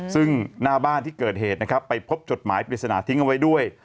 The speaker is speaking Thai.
ซึ่งหน้าบ้านที่เกิดเหตุนะครับไปพบจดหมายปริศนาทิ้งเอาไว้ด้วย